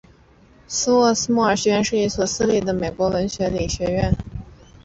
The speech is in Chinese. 斯沃斯莫尔学院是一所私立的美国文理学院。